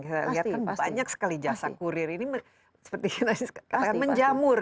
kita lihat kan banyak sekali jasa kurir ini seperti katakan menjamur